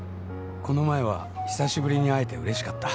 「この前は久しぶりに会えて嬉しかった」